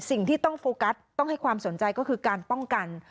สิ่งที่ต้องโฟกัสต้องให้ความสนใจก็คือการป้องกัน